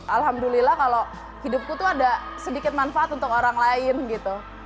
alhamdulillah kalau hidupku tuh ada sedikit manfaat untuk orang lain gitu